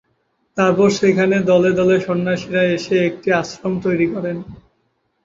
তারপর সেখানে দলে দলে সন্ন্যাসীরা এসে একটি আশ্রম তৈরি করেন।